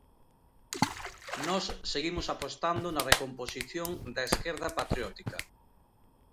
Nós seguimos apostando na recomposición da esquerda patriótica.